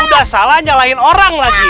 udah salah nyalahin orang lagi